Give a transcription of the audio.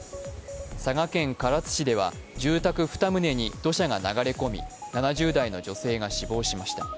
佐賀県唐津市では住宅２棟に土砂が流れ込み、７０代の女性が死亡しました。